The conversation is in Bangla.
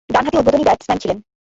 ডানহাতি উদ্বোধনী ব্যাটসম্যান ছিলেন।